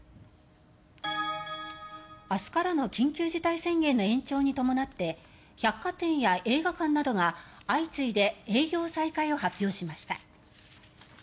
明日からの緊急事態宣言の延長に伴って百貨店や映画館などが相次いで営業再開を発表しました。